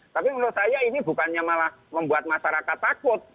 tapi menurut saya ini bukannya malah membuat masyarakat takut